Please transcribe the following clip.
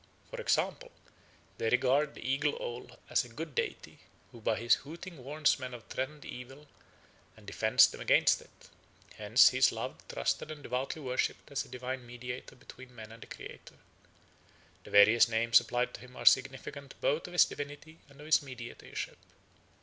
For example, they regard the eagle owl as a good deity who by his hooting warns men of threatened evil and defends them against it; hence he is loved, trusted, and devoutly worshipped as a divine mediator between men and the Creator. The various names applied to him are significant both of his divinity and of his mediatorship.